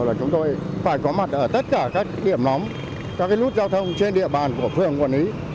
và chúng tôi phải có mặt ở tất cả các điểm nóng các nút giao thông trên địa bàn của phường quản lý